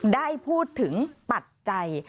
ได้พูดถึงปัจจัย